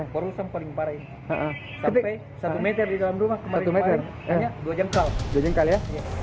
perusahaan paling parah sampai satu meter di dalam rumah kemarin kemarin dua jam dua jam kali ya